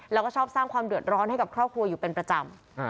แล้วก็ชอบสร้างความเดือดร้อนให้กับครอบครัวอยู่เป็นประจำ